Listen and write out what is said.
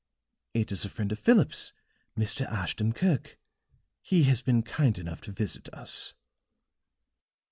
"It is a friend of Philip's Mr. Ashton Kirk. He has been kind enough to visit us."